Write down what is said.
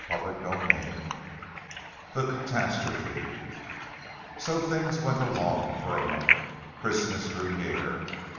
] CHAPTER XLV THE CATASTROPHE So things went along for a month. Christmas drew near.